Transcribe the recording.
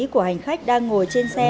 của hành khách đang ngồi trên xe